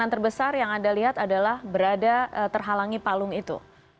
yang terbesar yang anda lihat adalah berada terhalangi palung itu